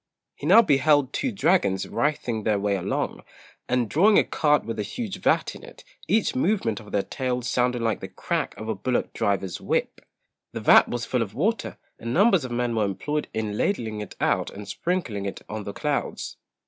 He now beheld two dragons writhing their way along, and drawing a cart with a huge vat in it, each movement of their tails sounding like the crack of a bullock driver's whip. The vat was full of water, and numbers of men were employed in ladling it out and sprinkling it on the clouds.